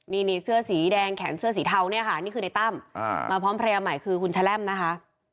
นี่เสื้อสีแดงแขนเสื้อสีเทาเนี่ยค่ะนี่คือในตั้มมาพร้อมภรรยาใหม่คือคุณแชล่มนะคะ